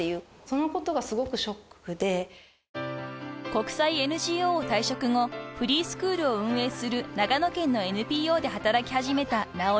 ［国際ＮＧＯを退職後フリースクールを運営する長野県のＮＰＯで働き始めた直井さん］